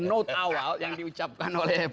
note awal yang diucapkan oleh